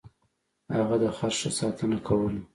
هغه د خر ښه ساتنه کوله.